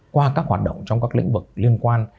qua các hoạt động trong các lĩnh vực liên quan